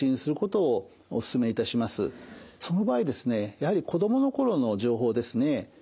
やはり子どもの頃の情報ですね